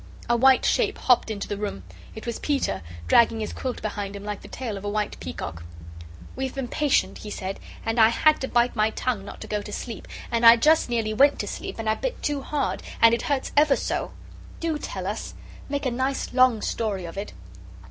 A white shape hopped into the room. It was Peter, dragging his quilt behind him like the tail of a white peacock. "We have been patient," he said, "and I had to bite my tongue not to go to sleep, and I just nearly went to sleep and I bit too hard, and it hurts ever so. DO tell us. Make a nice long story of it."